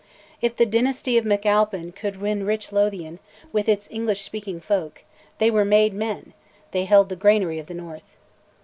If the dynasty of MacAlpin could win rich Lothian, with its English speaking folk, they were "made men," they held the granary of the North.